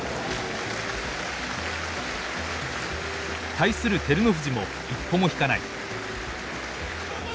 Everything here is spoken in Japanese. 対する照ノ富士も一歩も引かない。